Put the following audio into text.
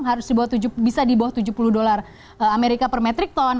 harus bisa di bawah tujuh puluh dolar amerika per metric ton